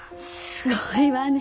すごいわね